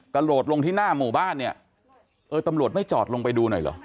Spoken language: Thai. กระโดดลงที่หน้าหมู่บ้านเนี่ยเออตำรวจไม่จอดลงไปดูหน่อยเหรอ